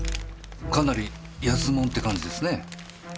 かなり安物って感じですねぇ。